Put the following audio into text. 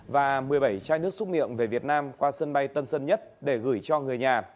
và một mươi bảy chai nước xúc miệng về việt nam qua sân bay tân sơn nhất để gửi cho người nhà